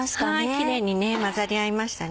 キレイに混ざり合いましたね。